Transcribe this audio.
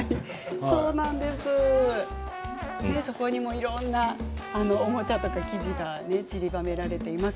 そこにもいろんなおもちゃとか生地が散りばめられています。